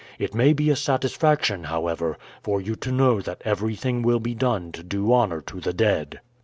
It may be a satisfaction, however, for you to know that everything will be done to do honor to the dead.